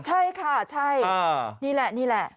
ใช่ค่ะใช่นี่แหละนี่แหละ